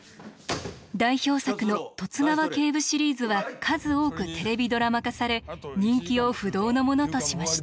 代表作の「十津川警部シリーズ」は数多くテレビドラマ化され人気を不動のものとしました。